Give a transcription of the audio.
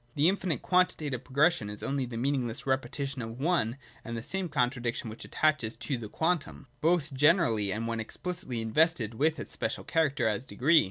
The infinite quantitative progression is only the meaningless repeti tion of one and the same contradiction, which attaches to the quantum, both generally and, when explicitly in vested with its special character, as degree.